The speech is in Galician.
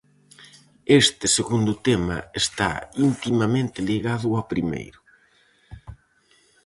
Este segundo tema está intimamente ligado ao primeiro.